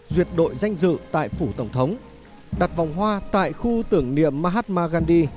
duyệt đội danh dự tại phủ tổng thống đặt vòng hoa tại khu tưởng niệm mahatma gandhi